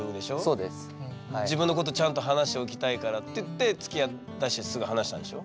自分のことちゃんと話しておきたいからっていってつきあったしすぐ話したんでしょ？